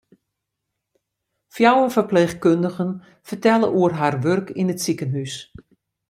Fjouwer ferpleechkundigen fertelle oer har wurk yn it sikehûs.